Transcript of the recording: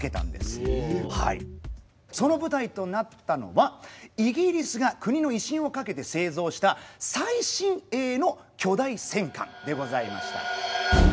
その舞台となったのはイギリスが国の威信をかけて製造した最新鋭の巨大戦艦でございました。